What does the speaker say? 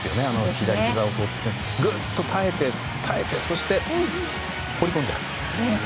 左ひざをつけて、ぐっと耐えてそして、放り込んじゃう。